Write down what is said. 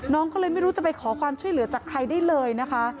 น้องก็เลยไม่รู้จะไปขอความช่วยเหลือจากใครได้เลยนะคะ